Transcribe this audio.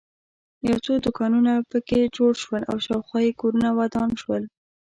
یو څو دوکانونه په کې جوړ شول او شاخوا یې کورونه ودان شول.